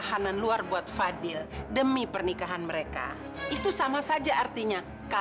haris ibu makin pusing sama kelakuan alena